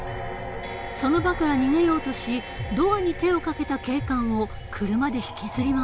その場から逃げようとしドアに手をかけた警官を車で引きずり回した。